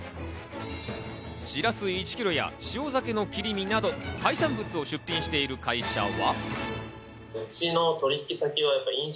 しらす１ｋｇや、塩鮭の切り身など、海産物を出品している会社は。